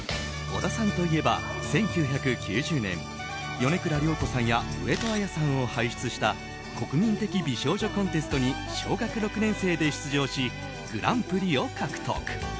小田さんといえば、１９９０年米倉涼子さんや上戸彩さんを輩出した国民的美少女コンテストに小学６年生で出場しグランプリを獲得。